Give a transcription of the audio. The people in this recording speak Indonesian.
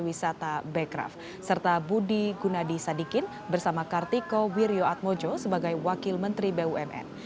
bata bekraf budi gunadi sadikin dan kartiko wirjoatmojo sebagai wakil menteri bumn